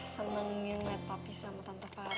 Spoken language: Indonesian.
seneng yang matapi sama tante farah